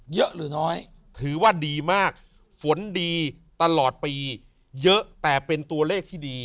หรือน้อยถือว่าดีมากฝนดีตลอดปีเยอะแต่เป็นตัวเลขที่ดี